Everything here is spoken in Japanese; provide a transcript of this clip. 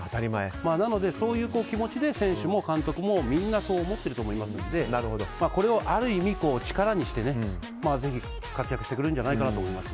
なのでそういう気持ちで選手も監督もみんなそう思っていると思いますのでこれをある意味、力にしてぜひ活躍してくれると思います。